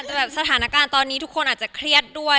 แต่แบบสถานการณ์ตอนนี้ทุกคนอาจจะเครียดด้วย